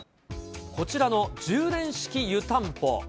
こちらの充電式湯たんぽ。